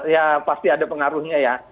ya pasti ada pengaruhnya ya